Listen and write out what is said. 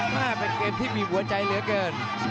แม่เป็นเกมที่มีหัวใจเหลือเกิน